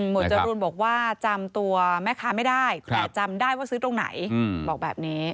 จรูนบอกว่าจำตัวแม่ค้าไม่ได้แต่จำได้ว่าซื้อตรงไหนบอกแบบนี้